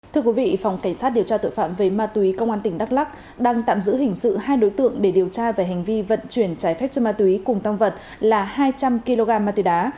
thưa quý vị phòng cảnh sát điều tra tội phạm về ma túy công an tỉnh đắk lắc đang tạm giữ hình sự hai đối tượng để điều tra về hành vi vận chuyển trái phép cho ma túy cùng tăng vật là hai trăm linh kg ma túy đá